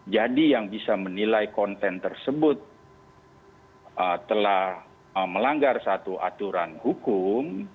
jadi yang bisa menilai konten tersebut telah melanggar satu aturan hukum